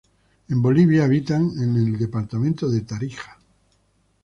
En Bolivia habitan en el departamento de Tarija.